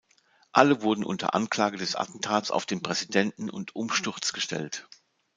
Alle wurden unter Anklage des Attentats auf den Präsidenten und Umsturz gestellt.